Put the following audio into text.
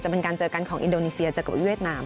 เป็นการเจอกันของอินโดนีเซียเจอกับเวียดนาม